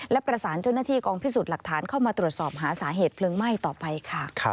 และประสานเจ้านาธิกองพิสูจน์หลักฐานข้าวมาตรวจสอบหาสาเหตุเพลิงไหม้